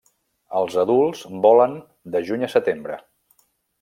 Els adults volen de juny a setembre.